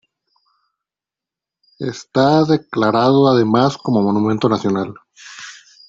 Está declarado además como Monumento Nacional.